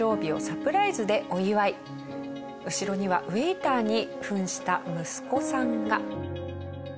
後ろにはウエイターに扮した息子さんが。